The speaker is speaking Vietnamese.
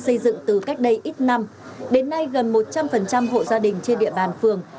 hộ gia đình trên địa bàn phường